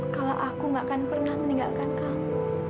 kalau aku gak akan pernah meninggalkan kamu